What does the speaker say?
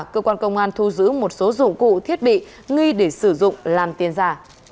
cơ quan công an thu giữ một số dụng cụ thiết bị nghi để sử dụng làm tiền giả